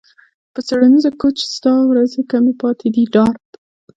په څیړنیز کوچ ستا ورځې کمې پاتې دي ډارت